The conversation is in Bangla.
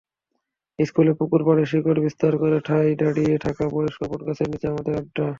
স্কুলের পুকুরপাড়ে শিকড় বিস্তার করে ঠায় দাঁড়িয়ে থাকা বয়স্ক বটগাছের নিচে আমাদের আড্ডা।